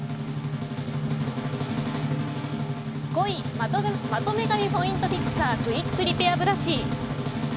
５位、まとめ髪ポイントフィクサークイックリペアブラシ。